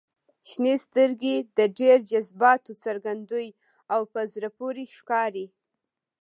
• شنې سترګې د ډېر جذباتو څرګندوي او په زړه پورې ښکاري.